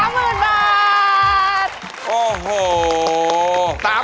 สบายประโยชน์